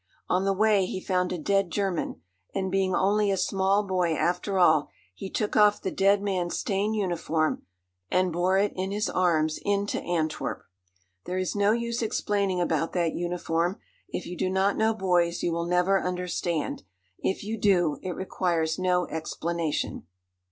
On the way he found a dead German and, being only a small boy after all, he took off the dead man's stained uniform and bore it in his arms into Antwerp! There is no use explaining about that uniform. If you do not know boys you will never understand. If you do, it requires no explanation.